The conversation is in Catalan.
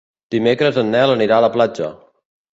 Dimecres en Nel anirà a la platja.